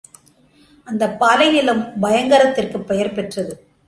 அந்தப் பாலைநிலம் பயங்கரத்திற்குப் பேர் பெற்றது.